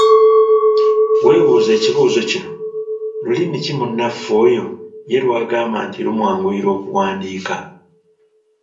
Weebuuze ekibuuzo kino, lulimi ki munnaffe oyo ye lw'agamba nti lumwanguyira okuwandiika?